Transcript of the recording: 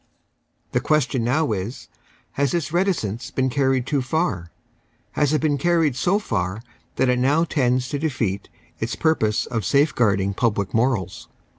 The question now is, Has this reticence been carried too far ? Has it been carried so far that it now tends to defeat its purpose of safeguarding public morals